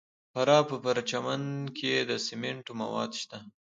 د فراه په پرچمن کې د سمنټو مواد شته.